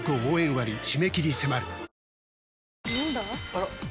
あら？